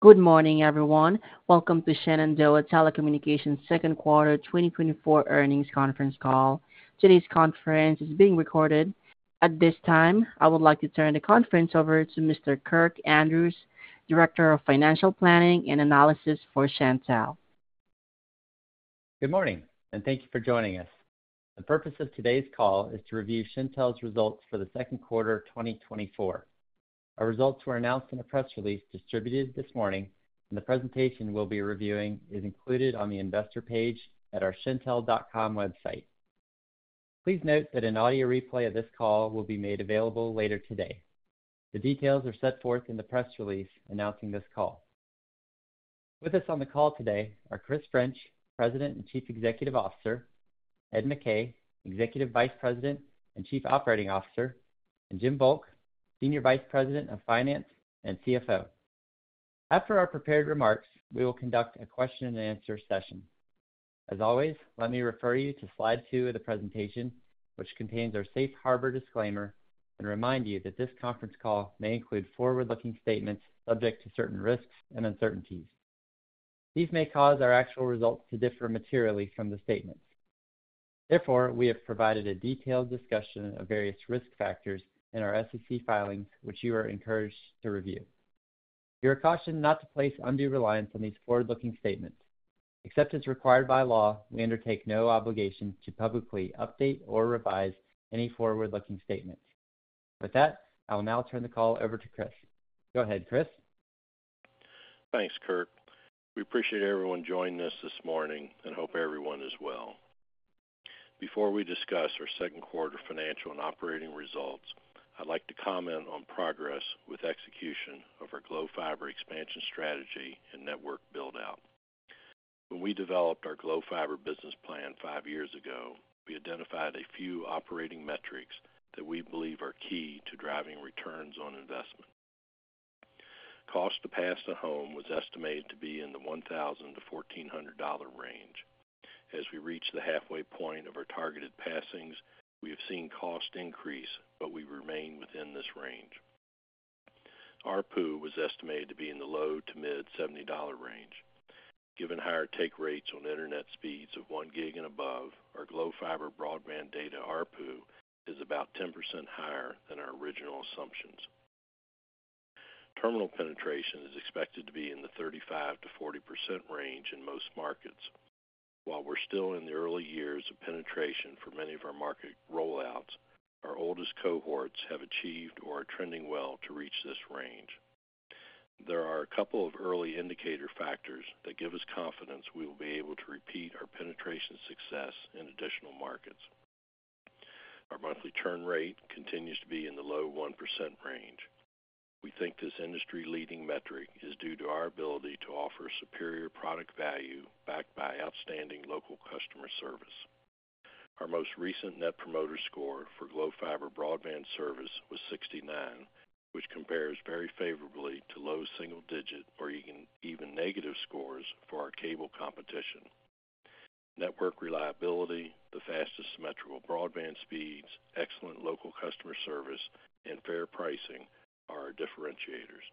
Good morning, everyone. Welcome to Shenandoah Telecommunications' second quarter 2024 earnings conference call. Today's conference is being recorded. At this time, I would like to turn the conference over to Mr. Kirk Andrews, Director of Financial Planning and Analysis for Shentel. Good morning, and thank you for joining us. The purpose of today's call is to review Shentel's results for the second quarter 2024. Our results were announced in a press release distributed this morning, and the presentation we'll be reviewing is included on the investor page at our Shentel.com website. Please note that an audio replay of this call will be made available later today. The details are set forth in the press release announcing this call. With us on the call today are Chris French, President and Chief Executive Officer; Ed McKay, Executive Vice President and Chief Operating Officer; and Jim Volk, Senior Vice President of Finance and CFO. After our prepared remarks, we will conduct a question-and-answer session. As always, let me refer you to slide 2 of the presentation, which contains our Safe Harbor disclaimer, and remind you that this conference call may include forward-looking statements subject to certain risks and uncertainties. These may cause our actual results to differ materially from the statements. Therefore, we have provided a detailed discussion of various risk factors in our SEC filings, which you are encouraged to review. You are cautioned not to place undue reliance on these forward-looking statements. Except as required by law, we undertake no obligation to publicly update or revise any forward-looking statements. With that, I will now turn the call over to Chris. Go ahead, Chris. Thanks, Kirk. We appreciate everyone joining us this morning and hope everyone is well. Before we discuss our second quarter financial and operating results, I'd like to comment on progress with execution of our Glo Fiber expansion strategy and network build-out. When we developed our Glo Fiber business plan five years ago, we identified a few operating metrics that we believe are key to driving returns on investment. Cost to pass to home was estimated to be in the $1,000-$1,400 range. As we reached the halfway point of our targeted passings, we have seen cost increase, but we remain within this range. ARPU was estimated to be in the low- to mid-$70 range. Given higher take rates on internet speeds of one gig and above, our Glo Fiber broadband data ARPU is about 10% higher than our original assumptions. Terminal Penetration is expected to be in the 35%-40% range in most markets. While we're still in the early years of penetration for many of our market rollouts, our oldest cohorts have achieved or are trending well to reach this range. There are a couple of early indicator factors that give us confidence we will be able to repeat our penetration success in additional markets. Our monthly churn rate continues to be in the low 1% range. We think this industry-leading metric is due to our ability to offer superior product value backed by outstanding local customer service. Our most recent Net Promoter Score for Glo Fiber broadband service was 69, which compares very favorably to low single-digit or even negative scores for our cable competition. Network reliability, the fastest symmetrical broadband speeds, excellent local customer service, and fair pricing are our differentiators.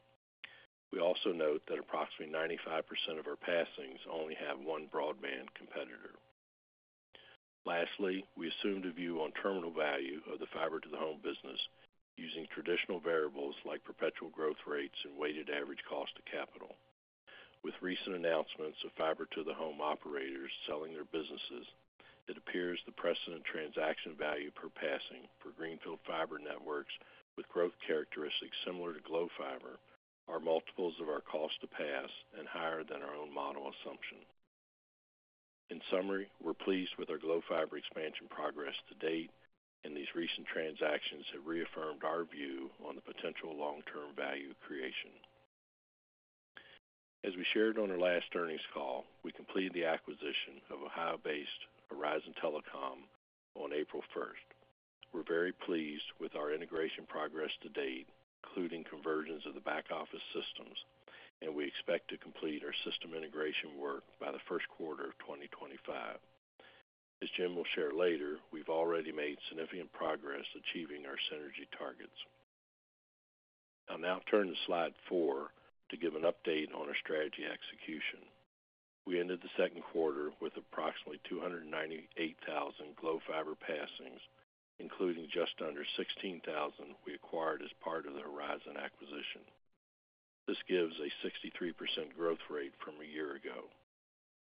We also note that approximately 95% of our passings only have one broadband competitor. Lastly, we assumed a view on terminal value of the fiber-to-the-home business using traditional variables like perpetual growth rates and weighted average cost of capital. With recent announcements of fiber-to-the-home operators selling their businesses, it appears the precedent transaction value per passing for Greenfield fiber networks with growth characteristics similar to Glo Fiber are multiples of our cost to pass and higher than our own model assumption. In summary, we're pleased with our Glo Fiber expansion progress to date, and these recent transactions have reaffirmed our view on the potential long-term value creation. As we shared on our last earnings call, we completed the acquisition of Ohio-based Horizon Telcom on April 1st. We're very pleased with our integration progress to date, including conversions of the back office systems, and we expect to complete our system integration work by the first quarter of 2025. As Jim will share later, we've already made significant progress achieving our synergy targets. I'll now turn to slide four to give an update on our strategy execution. We ended the second quarter with approximately 298,000 Glo Fiber passings, including just under 16,000 we acquired as part of the Horizon acquisition. This gives a 63% growth rate from a year ago.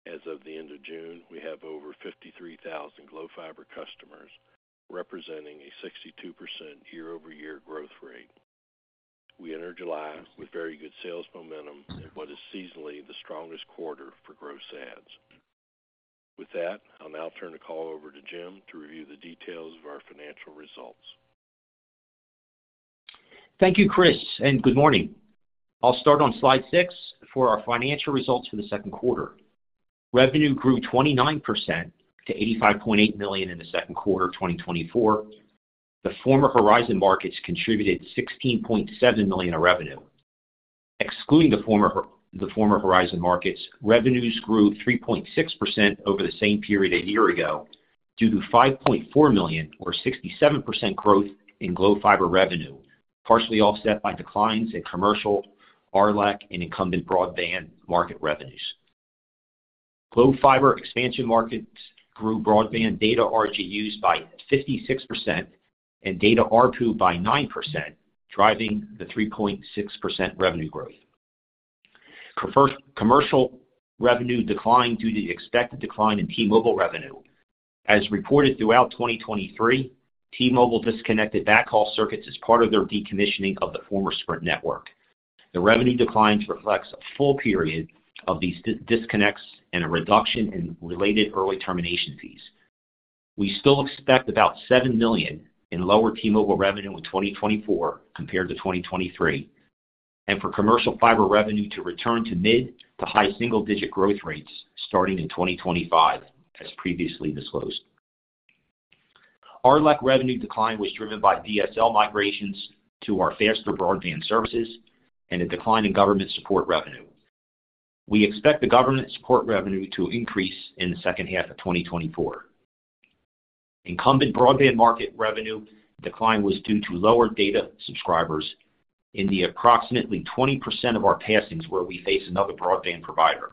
As of the end of June, we have over 53,000 Glo Fiber customers, representing a 62% year-over-year growth rate. We entered July with very good sales momentum in what is seasonally the strongest quarter for gross adds. With that, I'll now turn the call over to Jim to review the details of our financial results. Thank you, Chris, and good morning. I'll start on slide six for our financial results for the second quarter. Revenue grew 29% to $85.8 million in the second quarter of 2024. The former Horizon markets contributed $16.7 million of revenue. Excluding the former Horizon markets, revenues grew 3.6% over the same period a year ago due to $5.4 million, or 67% growth in Glo Fiber revenue, partially offset by declines in commercial, RLEC, and incumbent broadband market revenues. Glo Fiber expansion markets grew broadband data RGUs by 56% and data RPU by 9%, driving the 3.6% revenue growth. Commercial revenue declined due to the expected decline in T-Mobile revenue. As reported throughout 2023, T-Mobile disconnected backhaul circuits as part of their decommissioning of the former Sprint network. The revenue decline reflects a full period of these disconnects and a reduction in related early termination fees. We still expect about $7 million in lower T-Mobile revenue in 2024 compared to 2023, and for commercial fiber revenue to return to mid- to high single-digit growth rates starting in 2025, as previously disclosed. RLEC revenue decline was driven by DSL migrations to our faster broadband services and a decline in government support revenue. We expect the government support revenue to increase in the second half of 2024. Incumbent broadband market revenue decline was due to lower data subscribers, and approximately 20% of our passings where we face another broadband provider.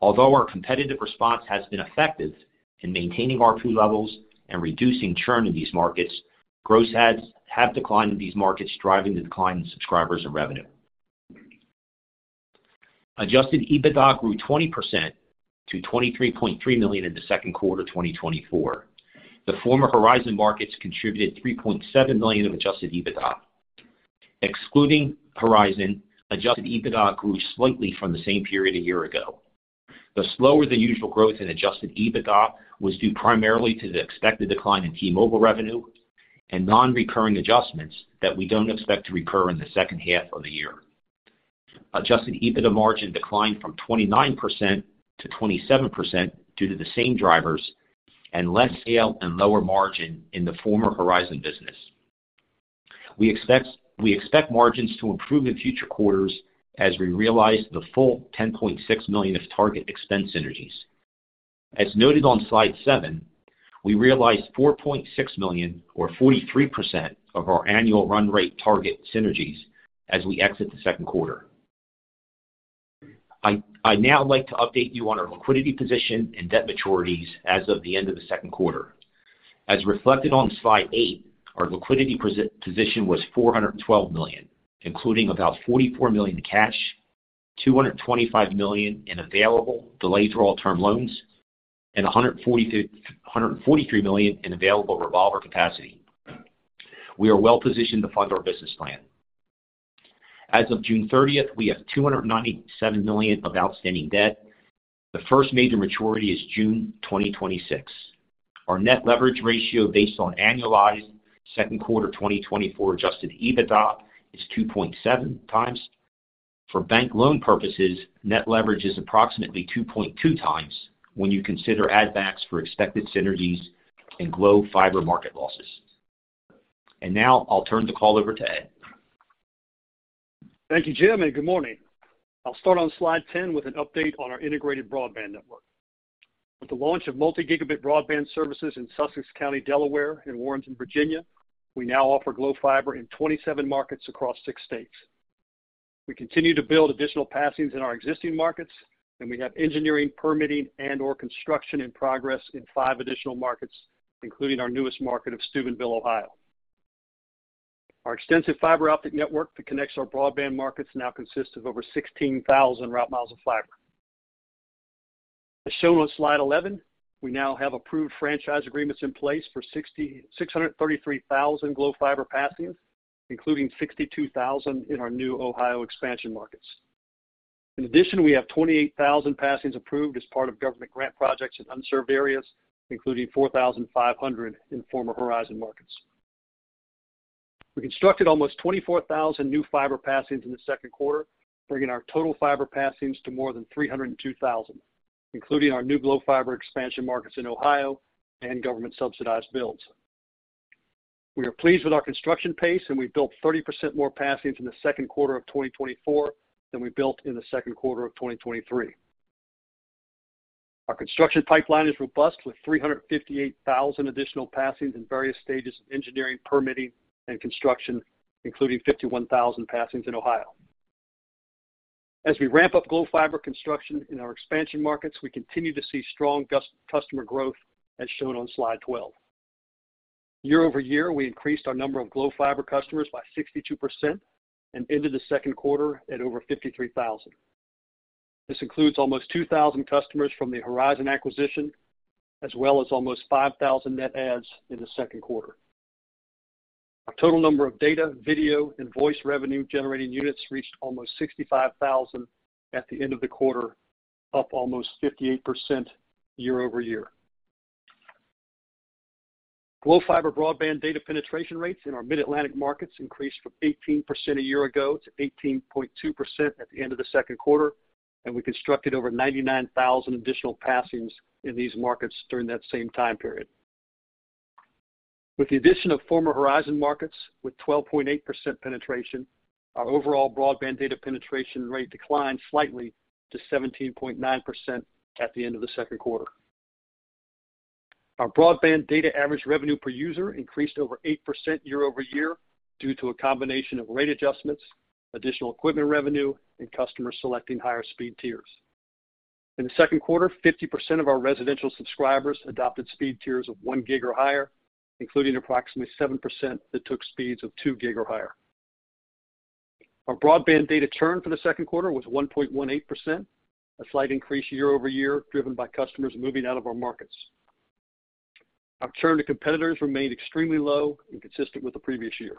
Although our competitive response has been effective in maintaining RPU levels and reducing churn in these markets, gross adds have declined in these markets, driving the decline in subscribers and revenue. Adjusted EBITDA grew 20% to $23.3 million in the second quarter of 2024. The former Horizon markets contributed $3.7 million of adjusted EBITDA. Excluding Horizon, Adjusted EBITDA grew slightly from the same period a year ago. The slower-than-usual growth in Adjusted EBITDA was due primarily to the expected decline in T-Mobile revenue and non-recurring adjustments that we don't expect to recur in the second half of the year. Adjusted EBITDA margin declined from 29% to 27% due to the same drivers and less scale and lower margin in the former Horizon business. We expect margins to improve in future quarters as we realize the full $10.6 million of target expense synergies. As noted on slide seven, we realized $4.6 million, or 43% of our annual run rate target synergies as we exit the second quarter. I'd now like to update you on our liquidity position and debt maturities as of the end of the second quarter. As reflected on slide eight, our liquidity position was $412 million, including about $44 million in cash, $225 million in available delayed-for-all term loans, and $143 million in available revolver capacity. We are well-positioned to fund our business plan. As of June 30th, we have $297 million of outstanding debt. The first major maturity is June 2026. Our net leverage ratio based on annualized second quarter 2024 Adjusted EBITDA is 2.7x. For bank loan purposes, net leverage is approximately 2.2x when you consider add-backs for expected synergies and Glo Fiber market losses. And now I'll turn the call over to Ed. Thank you, Jim. Good morning. I'll start on slide 10 with an update on our integrated broadband network. With the launch of multi-gigabit broadband services in Sussex County, Delaware, and Warrenton, Virginia, we now offer Glo Fiber in 27 markets across six states. We continue to build additional passings in our existing markets, and we have engineering, permitting, and/or construction in progress in five additional markets, including our newest market of Steubenville, Ohio. Our extensive fiber optic network that connects our broadband markets now consists of over 16,000 route miles of fiber. As shown on slide 11, we now have approved franchise agreements in place for 633,000 Glo Fiber passings, including 62,000 in our new Ohio expansion markets. In addition, we have 28,000 passings approved as part of government grant projects in unserved areas, including 4,500 in former Horizon markets. We constructed almost 24,000 new fiber passings in the second quarter, bringing our total fiber passings to more than 302,000, including our new Glo Fiber expansion markets in Ohio and government-subsidized builds. We are pleased with our construction pace, and we've built 30% more passings in the second quarter of 2024 than we built in the second quarter of 2023. Our construction pipeline is robust with 358,000 additional passings in various stages of engineering, permitting, and construction, including 51,000 passings in Ohio. As we ramp up Glo Fiber construction in our expansion markets, we continue to see strong customer growth, as shown on slide 12. Year-over-year, we increased our number of Glo Fiber customers by 62% and ended the second quarter at over 53,000. This includes almost 2,000 customers from the Horizon acquisition, as well as almost 5,000 net adds in the second quarter. Our total number of data, video, and voice revenue-generating units reached almost 65,000 at the end of the quarter, up almost 58% year-over-year. Glo Fiber broadband data penetration rates in our Mid-Atlantic markets increased from 18% a year ago to 18.2% at the end of the second quarter, and we constructed over 99,000 additional passings in these markets during that same time period. With the addition of former Horizon markets with 12.8% penetration, our overall broadband data penetration rate declined slightly to 17.9% at the end of the second quarter. Our broadband data average revenue per user increased over 8% year-over-year due to a combination of rate adjustments, additional equipment revenue, and customers selecting higher speed tiers. In the second quarter, 50% of our residential subscribers adopted speed tiers of one gig or higher, including approximately 7% that took speeds of two gig or higher. Our broadband data churn for the second quarter was 1.18%, a slight increase year-over-year driven by customers moving out of our markets. Our churn to competitors remained extremely low and consistent with the previous year.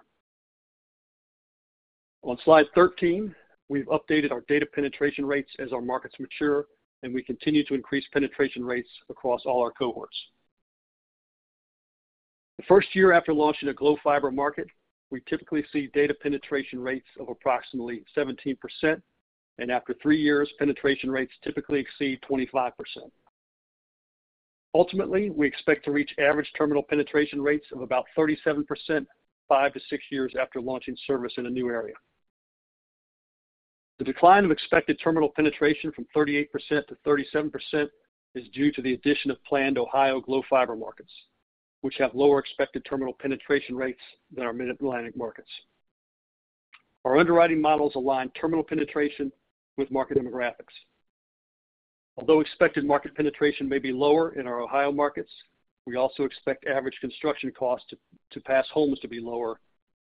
On slide 13, we've updated our data penetration rates as our markets mature, and we continue to increase penetration rates across all our cohorts. The first year after launching a Glo Fiber market, we typically see data penetration rates of approximately 17%, and after 3 years, penetration rates typically exceed 25%. Ultimately, we expect to reach average terminal penetration rates of about 37% 5-6 years after launching service in a new area. The decline of expected terminal penetration from 38%-37% is due to the addition of planned Ohio Glo Fiber markets, which have lower expected terminal penetration rates than our Mid-Atlantic markets. Our underwriting models align terminal penetration with market demographics. Although expected market penetration may be lower in our Ohio markets, we also expect average construction costs to pass homes to be lower,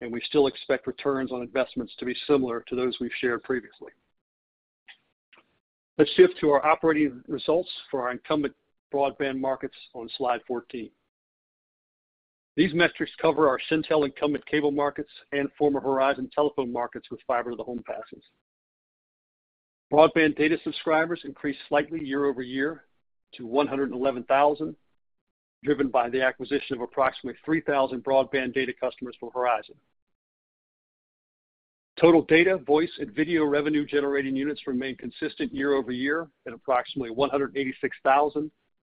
and we still expect returns on investments to be similar to those we've shared previously. Let's shift to our operating results for our incumbent broadband markets on slide 14. These metrics cover our Shenandoah incumbent cable markets and former Horizon telephone markets with fiber-to-the-home passings. Broadband data subscribers increased slightly year-over-year to 111,000, driven by the acquisition of approximately 3,000 broadband data customers from Horizon. Total data, voice, and video revenue-generating units remain consistent year-over-year at approximately 186,000,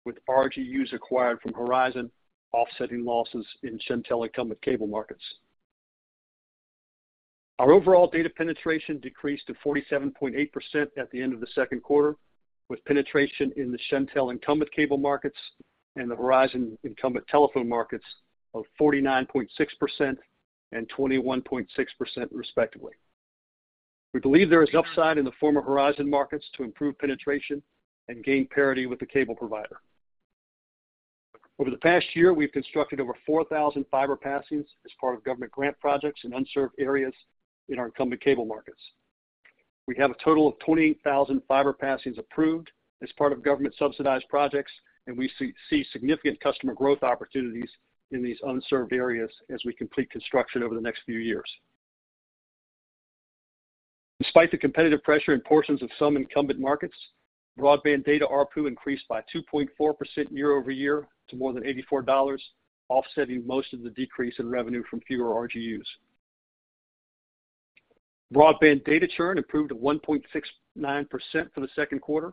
with RGUs acquired from Horizon offsetting losses in Shenandoah incumbent cable markets. Our overall data penetration decreased to 47.8% at the end of the second quarter, with penetration in the Shenandoah incumbent cable markets and the Horizon incumbent telephone markets of 49.6% and 21.6%, respectively. We believe there is upside in the former Horizon markets to improve penetration and gain parity with the cable provider. Over the past year, we've constructed over 4,000 fiber passings as part of government grant projects in unserved areas in our incumbent cable markets. We have a total of 28,000 fiber passings approved as part of government-subsidized projects, and we see significant customer growth opportunities in these unserved areas as we complete construction over the next few years. Despite the competitive pressure in portions of some incumbent markets, broadband data RPU increased by 2.4% year-over-year to more than $84, offsetting most of the decrease in revenue from fewer RGUs. Broadband data churn improved to 1.69% for the second quarter,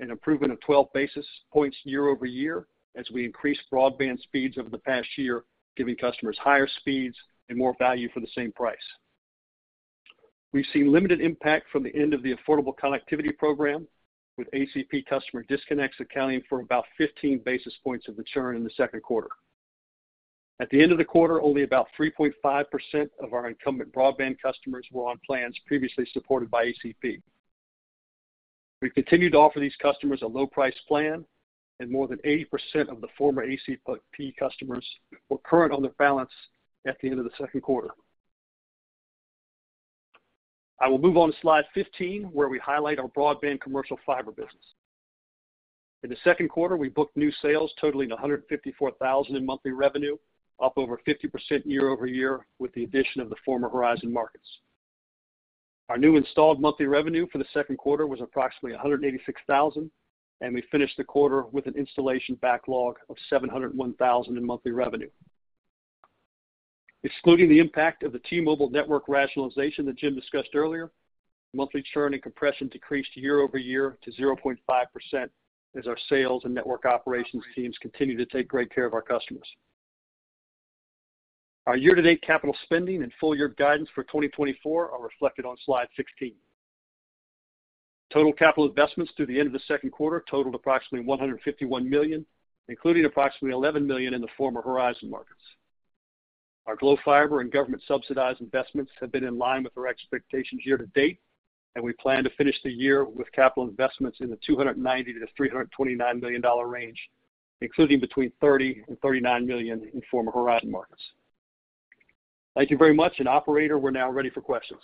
an improvement of 12 basis points year-over-year as we increased broadband speeds over the past year, giving customers higher speeds and more value for the same price. We've seen limited impact from the end of the Affordable Connectivity Program, with ACP customer disconnects accounting for about 15 basis points of the churn in the second quarter. At the end of the quarter, only about 3.5% of our incumbent broadband customers were on plans previously supported by ACP. We've continued to offer these customers a low-priced plan, and more than 80% of the former ACP customers were current on their balance at the end of the second quarter. I will move on to slide 15, where we highlight our broadband commercial fiber business. In the second quarter, we booked new sales totaling $154,000 in monthly revenue, up over 50% year-over-year with the addition of the former Horizon markets. Our new installed monthly revenue for the second quarter was approximately $186,000, and we finished the quarter with an installation backlog of $701,000 in monthly revenue. Excluding the impact of the T-Mobile network rationalization that Jim discussed earlier, monthly churn and compression decreased year-over-year to 0.5% as our sales and network operations teams continue to take great care of our customers. Our year-to-date capital spending and full-year guidance for 2024 are reflected on slide 16. Total capital investments through the end of the second quarter totaled approximately $151 million, including approximately $11 million in the former Horizon markets. Our Glo Fiber and government-subsidized investments have been in line with our expectations year to date, and we plan to finish the year with capital investments in the $290-$329 million range, including between $30 million and $39 million in former Horizon markets. Thank you very much. Operator, we're now ready for questions.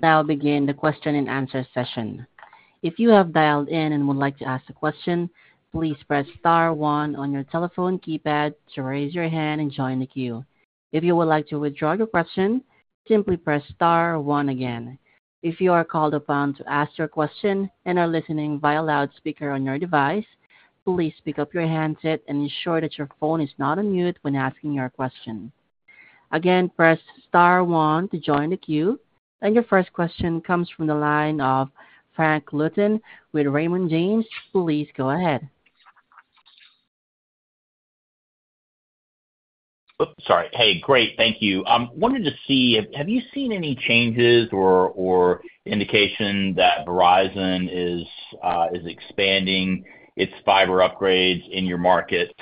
Now begin the question-and-answer session. If you have dialed in and would like to ask a question, please press star one on your telephone keypad to raise your hand and join the queue. If you would like to withdraw your question, simply press star one again. If you are called upon to ask your question and are listening via loudspeaker on your device, please pick up your handset and ensure that your phone is not on mute when asking your question. Again, press star one to join the queue. Your first question comes from the line of Frank Louthan with Raymond James. Please go ahead. Oh, sorry. Hey, great. Thank you. I wanted to see, have you seen any changes or indication that Verizon is expanding its fiber upgrades in your markets?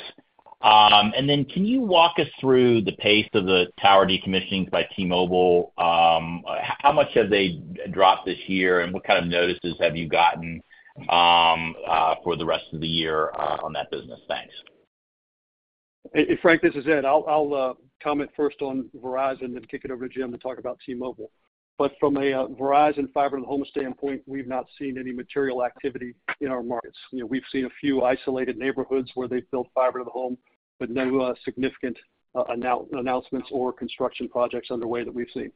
And then can you walk us through the pace of the tower decommissioning by T-Mobile? How much have they dropped this year, and what kind of notices have you gotten for the rest of the year on that business? Thanks. Frank, this is Ed. I'll comment first on Verizon and then kick it over to Jim to talk about T-Mobile. But from a Verizon fiber-to-the-home standpoint, we've not seen any material activity in our markets. We've seen a few isolated neighborhoods where they've built fiber-to-the-home, but no significant announcements or construction projects underway that we've seen.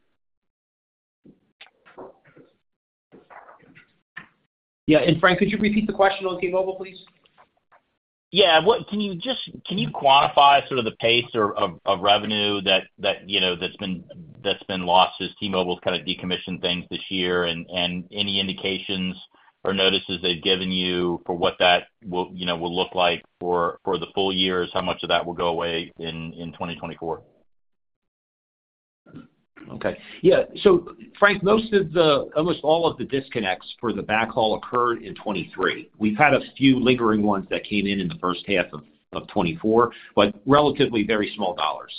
Yeah. Frank, could you repeat the question on T-Mobile, please? Yeah. Can you just quantify sort of the pace of revenue that's been lost as T-Mobile's kind of decommissioned things this year? And any indications or notices they've given you for what that will look like for the full year? Is how much of that will go away in 2024? Okay. Yeah. So Frank, most of the, almost all of the disconnects for the backhaul occurred in 2023. We've had a few lingering ones that came in in the first half of 2024, but relatively very small dollars.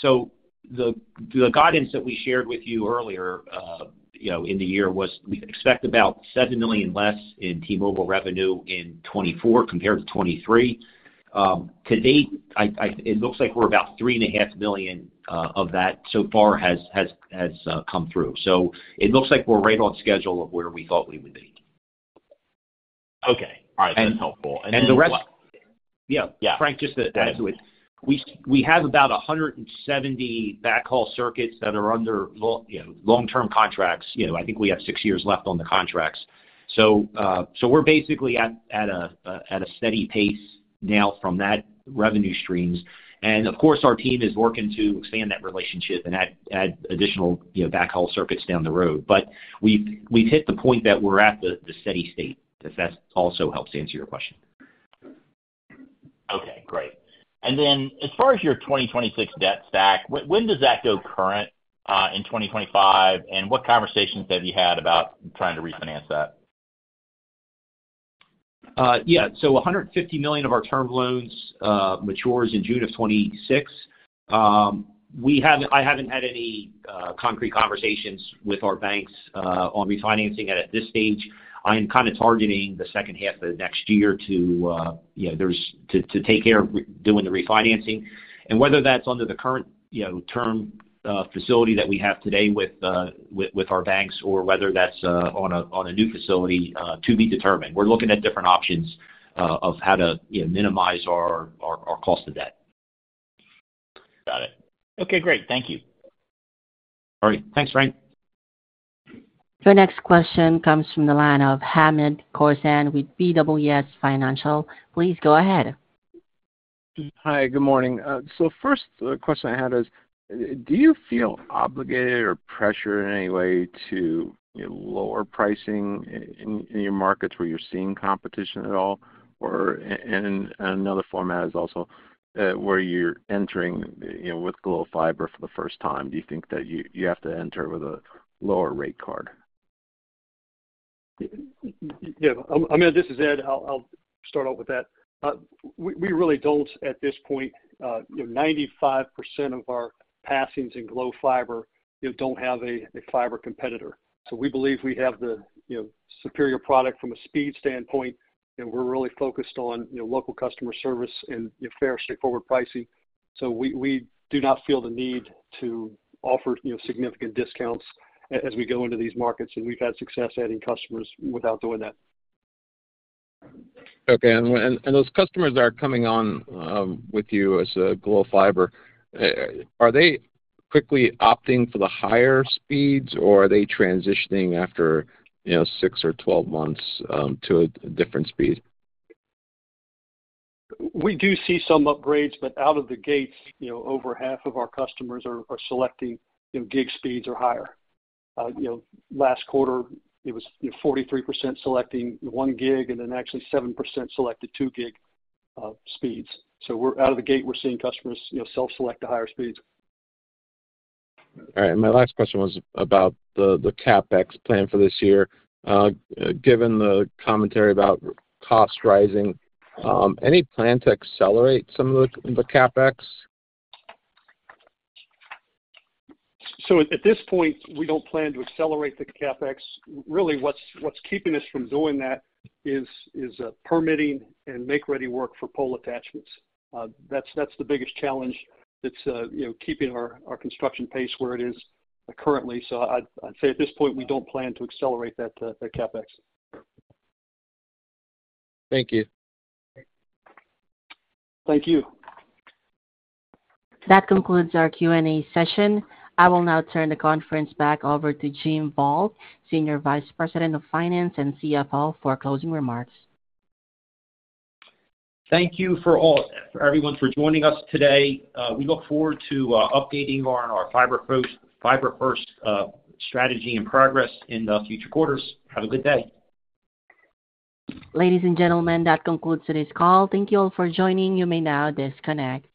So the guidance that we shared with you earlier in the year was we expect about $7 million less in T-Mobile revenue in 2024 compared to 2023. To date, it looks like we're about $3.5 million of that so far has come through. So it looks like we're right on schedule of where we thought we would be. Okay. All right. That's helpful. And then the rest. And the rest. Yeah. Yeah. Frank, just to add to it, we have about 170 backhaul circuits that are under long-term contracts. I think we have six years left on the contracts. So we're basically at a steady pace now from that revenue streams. And of course, our team is working to expand that relationship and add additional backhaul circuits down the road. But we've hit the point that we're at the steady state, if that also helps answer your question. Okay. Great. And then as far as your 2026 debt stack, when does that go current in 2025? And what conversations have you had about trying to refinance that? Yeah. So $150 million of our term loans matures in June of 2026. I haven't had any concrete conversations with our banks on refinancing at this stage. I am kind of targeting the second half of next year to take care of doing the refinancing. And whether that's under the current term facility that we have today with our banks or whether that's on a new facility to be determined. We're looking at different options of how to minimize our cost of debt. Got it. Okay. Great. Thank you. All right. Thanks, Frank. The next question comes from the line of Hamed Khorsand with BWS Financial. Please go ahead. Hi. Good morning. So first, the question I had is, do you feel obligated or pressured in any way to lower pricing in your markets where you're seeing competition at all? And another format is also where you're entering with Glo Fiber for the first time. Do you think that you have to enter with a lower rate card? Yeah. I mean, this is Ed. I'll start off with that. We really don't at this point. 95% of our passings in Glo Fiber don't have a fiber competitor. So we believe we have the superior product from a speed standpoint, and we're really focused on local customer service and fair, straightforward pricing. So we do not feel the need to offer significant discounts as we go into these markets, and we've had success adding customers without doing that. Okay. And those customers that are coming on with you as a Glo Fiber, are they quickly opting for the higher speeds, or are they transitioning after 6 or 12 months to a different speed? We do see some upgrades, but out of the gates, over half of our customers are selecting gig speeds or higher. Last quarter, it was 43% selecting 1 gig, and then actually 7% selected 2 gig speeds. So out of the gate, we're seeing customers self-select the higher speeds. All right. And my last question was about the CapEx plan for this year. Given the commentary about cost rising, any plan to accelerate some of the CapEx? So at this point, we don't plan to accelerate the CapEx. Really, what's keeping us from doing that is permitting and make-ready work for pole attachments. That's the biggest challenge. It's keeping our construction pace where it is currently. So I'd say at this point, we don't plan to accelerate that CapEx. Thank you. Thank you. That concludes our Q&A session. I will now turn the conference back over to Jim Volk, Senior Vice President of Finance and CFO, for closing remarks. Thank you for everyone for joining us today. We look forward to updating on our fiber-first strategy and progress in the future quarters. Have a good day. Ladies and gentlemen, that concludes today's call. Thank you all for joining. You may now disconnect.